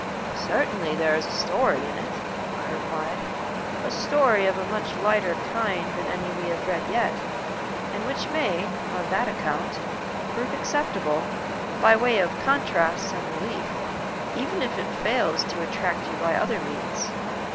"Certainly there is a story in it," I replied "a story of a much lighter kind than any we have yet read, and which may, on that account, prove acceptable, by way of contrast and relief, even if it fails to attract you by other means.